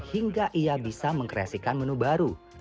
hingga ia bisa mengkreasikan menu baru